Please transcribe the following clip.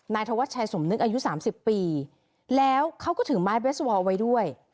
นายธวรรษชายสมนึกอายุ๓๐ปีแล้วเขาก็ถึงไมล์เบสบอลไว้ด้วย